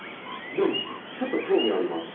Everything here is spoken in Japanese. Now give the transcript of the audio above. でもちょっと興味はあります。